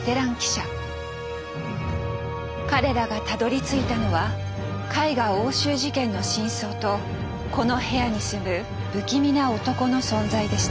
彼らがたどりついたのは絵画押収事件の真相とこの部屋に住む不気味な男の存在でした。